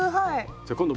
じゃあ今度